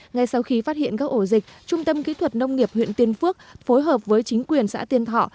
ngay sau khi phát hiện các ổ dịch trung tâm kỹ thuật nông nghiệp huyện tiên phước phối hợp với chính quyền xã tiên thọ